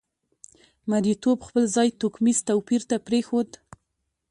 مریتوب خپل ځای توکمیز توپیر ته پرېښود.